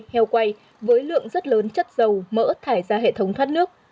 heo quay với lượng rất lớn chất dầu mỡ thải ra hệ thống thoát nước